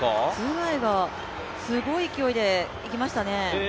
すごい勢いでいきましたね。